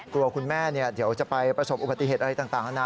กลัวคุณแม่เดี๋ยวจะไปประสบอุบัติเหตุอะไรต่างนานา